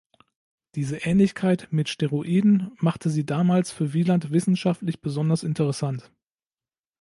Diese Ähnlichkeit mit Steroiden machte sie damals für Wieland wissenschaftlich besonders interessant.